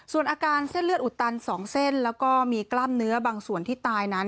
ส่วนอาการเส้นเลือดอุดตัน๒เส้นแล้วก็มีกล้ามเนื้อบางส่วนที่ตายนั้น